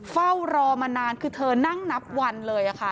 เฝ้ารอมานานคือเธอนั่งนับวันเลยค่ะ